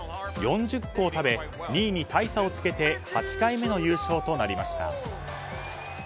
４０個を食べ２位に大差をつけて８回目の優勝となりました。